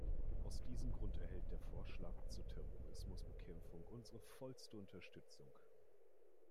Aus diesem Grund erhält der Vorschlag zur Terrorismusbekämpfung unsere vollste Unterstützung.